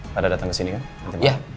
pada datang kesini kan